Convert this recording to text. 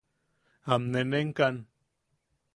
Am- nenenkan.